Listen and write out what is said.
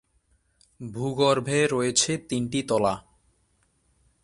ভূগর্ভে রয়েছে তিনটি তলা।